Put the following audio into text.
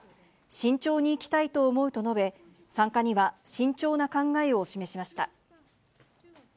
慎重にいきたいと思うと述べ、参加には慎重な考えを示しました。